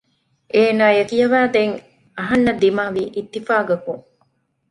އޭނާއަށް ކިޔަވާ ދޭން އަހަންނަށް ދިމާވީ އިއްތިފާގަކުން